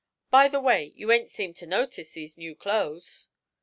By the way, you ain't seemed to notice these new clo's.'